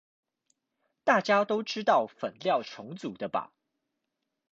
大家都知道是粉料重組的吧